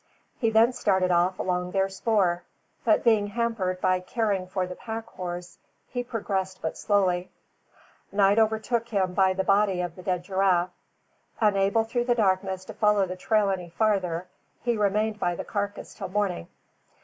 He then started off along their spoor, but being hampered by caring for the pack horse, he progressed but slowly. Night overtook him by the body of the dead giraffe. Unable through the darkness to follow the trail any farther, he remained by the carcass till morning.